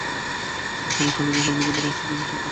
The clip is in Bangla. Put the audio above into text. এ সময় খালিদ মুসলমানদের বড় অংশটির সাথে লড়াইয়ে রত ছিলেন।